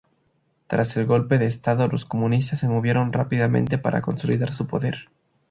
Tras el golpe de Estado, los comunistas se movieron rápidamente para consolidar su poder.